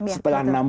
setelah empat tahun